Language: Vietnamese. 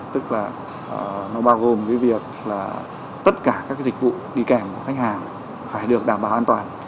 tức là nó bao gồm cái việc là tất cả các dịch vụ đi kèm của khách hàng phải được đảm bảo an toàn